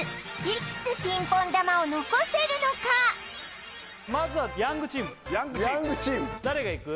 いくつピンポン球を残せるのかまずはヤングチームヤングチーム誰がいく？